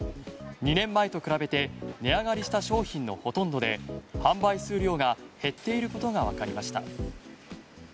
２年前と比べて値上がりした商品のほとんどで販売数量が減っていることがわかりました。